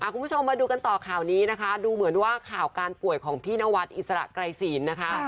คุณผู้ชมมาดูกันต่อข่าวนี้นะคะดูเหมือนว่าข่าวการป่วยของพี่นวัดอิสระไกรศีลนะคะ